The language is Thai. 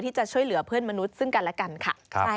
ที่จะช่วยเหลือเพื่อนมนุษย์ซึ่งกันและกันค่ะ